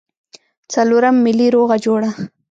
څلورم ملي روغه جوړه.